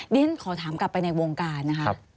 ดินขอถามกลับไปในวงการนะครับ